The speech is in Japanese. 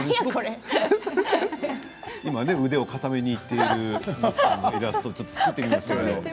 今、腕を固めにいっている西さんのイラストを作ってみましたけれども。